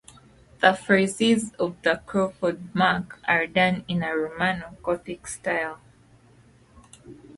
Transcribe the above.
The friezes of the Crawford Mark are done in a Romano-gothic style.